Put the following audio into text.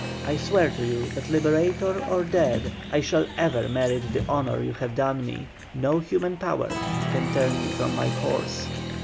I swear to you that Liberator or dead, I shall ever merit the honour you have done me; no human power can turn me from my course."